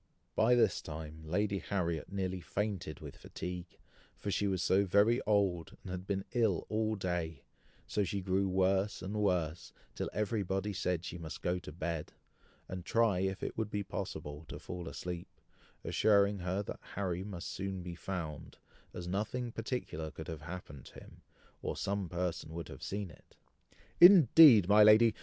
By this time Lady Harriet nearly fainted with fatigue, for she was so very old, and had been ill all day; so she grew worse and worse, till everybody said she must go to bed, and try if it would be possible to fall asleep, assuring her that Harry must soon be found, as nothing particular could have happened to him, or some person would have seen it. "Indeed, my lady!